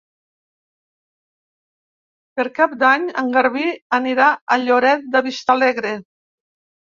Per Cap d'Any en Garbí anirà a Lloret de Vistalegre.